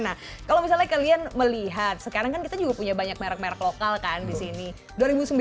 nah kalau misalnya kalian melihat sekarang kan kita juga punya banyak merek merek lokal kan di sini